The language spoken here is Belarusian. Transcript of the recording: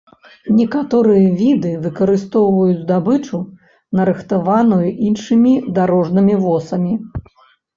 Некаторыя віды выкарыстоўваюць здабычу, нарыхтаваную іншымі дарожнымі восамі.